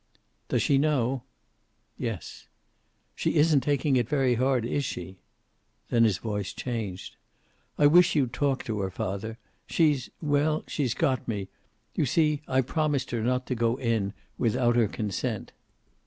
"Does she know?" "Yes." "She isn't taking it very hard, is she?" Then his voice changed. "I wish you'd talk to her, father. She's well, she's got me! You see, I promised her not to go in without her consent."